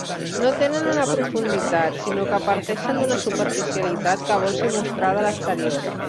No tenen una profunditat sinó que parteixen d'una superficialitat que vol ser mostrada a l'exterior.